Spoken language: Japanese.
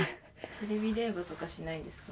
テレビ電話とかしないんですか？